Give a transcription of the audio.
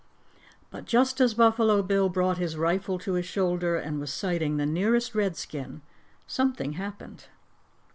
But just as Buffalo Bill brought his rifle to his shoulder and was sighting the nearest Redskin, something happened.